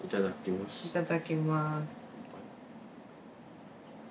いただきます。